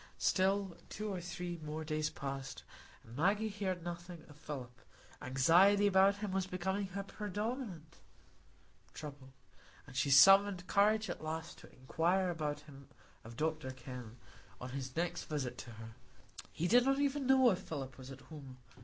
Still two or three more days passed, and Maggie heard nothing of Philip; anxiety about him was becoming her predominant trouble, and she summoned courage at last to inquire about him of Dr Kenn, on his next visit to her. He did not even know if Philip was at home.